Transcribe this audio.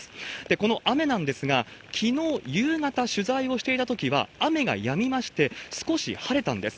この雨なんですが、きのう夕方取材をしていたときは雨がやみまして、少し晴れたんです。